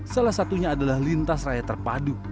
salah satunya adalah lintas raya terpadu